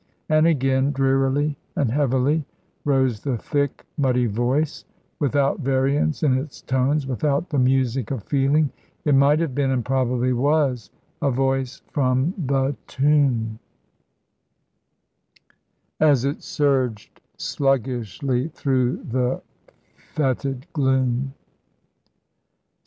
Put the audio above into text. And again, drearily and heavily, rose the thick, muddy voice, without variance in its tones, without the music of feeling. It might have been, and probably was, a voice from the tomb, as it surged sluggishly through the fetid gloom. "St.